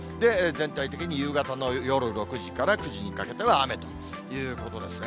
全体的に夕方の夜６時から９時にかけては雨ということですね。